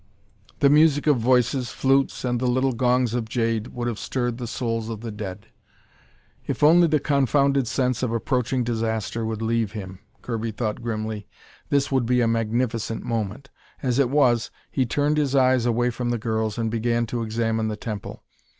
The music of voices, flutes, and the little gongs of jade, would have stirred the souls of the dead. If only the confounded sense of approaching disaster would leave him, Kirby thought grimly, this would be a magnificent moment. As it was, he turned his eyes away from the girls, and began to examine the temple.